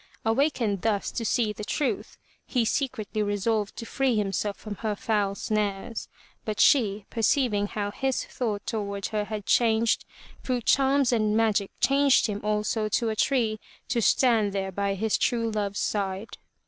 Awakened thus to see the truth, he secretly resolved to free himself from her foul snares, but she, perceiving how his thought toward her had changed, through charms and magic 22 FROM THE TOWER WINDOW changed him also to a tree to stand there by his true love's side.